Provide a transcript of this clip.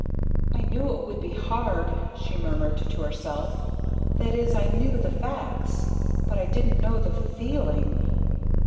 "I knew it would be hard," she murmured to herself, "That is I knew the facts but I didn't know the feeling!"